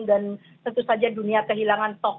dan tentu saja dunia kehilangan tokoh